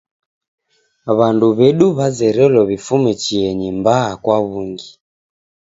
W'andu w'edu w'azerelo w'ifume chienyi mbaa kwa w'ungi.